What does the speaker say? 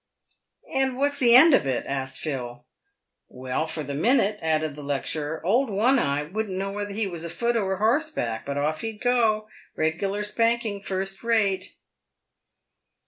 " And what's the end of it ?" asked Phil. " Well, for the minute," added the lecturer, " old One eye would'nt know whether he was afoot or a horseback, but off he'd go, regular spanking, first rate."